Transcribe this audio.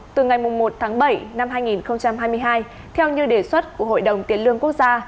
từ ngày một bảy hai nghìn hai mươi hai theo như đề xuất của hội đồng tiến lương quốc gia